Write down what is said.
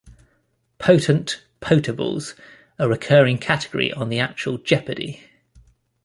"Potent Potables", a recurring category on the actual "Jeopardy!